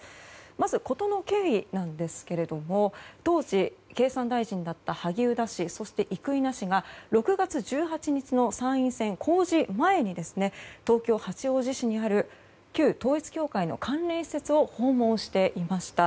まず事の経緯なんですけれども当時、経産大臣だった萩生田氏そして生稲氏が６月１８日の参院選公示前に東京・八王子市にある旧統一教会の関連施設を訪問していました。